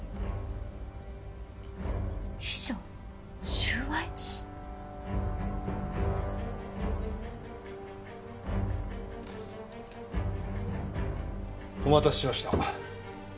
しっ！お待たせしました。